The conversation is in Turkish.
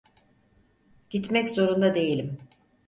Gitmek zorunda değilim.